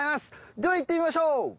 ではいってみましょう。